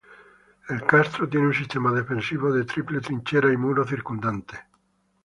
El castro tiene un sistema defensivo de triple trinchera y muro circundante.